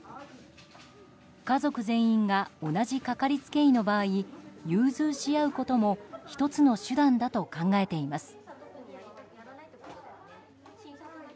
家族全員が同じかかりつけ医の場合融通し合うことも１つの手段だと考えています。